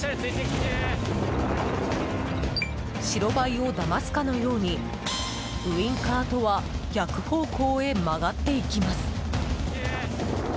白バイをだますかのようにウィンカーとは逆方向へ曲がっていきます。